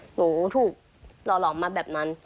หนูถูกหล่อหลอมมาแบบนั้น